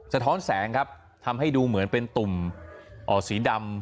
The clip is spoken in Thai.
สะท้อนแสงครับทำให้ดูเหมือนเป็นตุ่มสีดำ